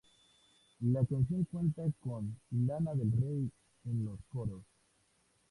La canción cuenta con Lana del Rey en los coros.